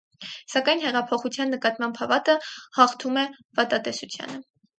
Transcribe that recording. Սակայն հեղափոխության նկատմամբ հավատը հաղթում է վատատեսությանը։